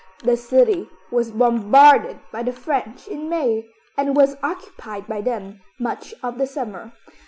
The city was bombarded by the French in May, and was occupied by them much of the summer.